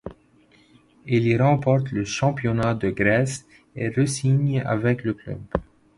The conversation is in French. Il y remporte le championnat de Grèce et re-signe avec le club.